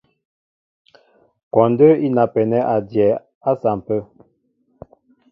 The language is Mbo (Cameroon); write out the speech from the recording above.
Kwɔndə́ í napɛnɛ́ a dyɛɛ á sampə̂.